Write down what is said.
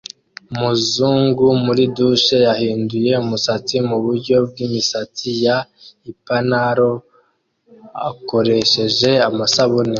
Umuzungu muri douche yahinduye umusatsi muburyo bwimisatsi ya ipanaro akoresheje amasabune